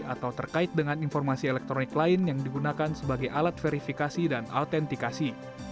atau terkait dengan informasi elektronik lain yang digunakan sebagai alat verifikasi dan autentikasi